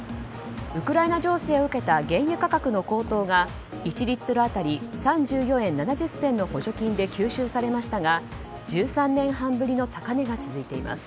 ウクライナ情勢を受けた原油価格の高騰が１リットル当たり３４円７０銭の補助金で吸収されましたが１３年半ぶりの高値が続いています。